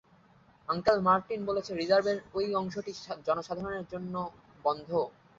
Uncle Martin বলেছে রিজার্ভের এই অংশটি জনসাধারণের জন্য বন্ধ।